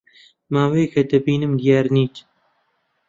ماوەیەکە دەبینم دیار نیت.